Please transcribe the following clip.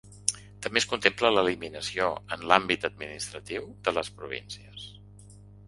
També es contempla l’eliminació, en l’àmbit administratiu, de les províncies.